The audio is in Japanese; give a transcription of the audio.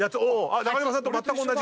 中島さんとまったく同じ。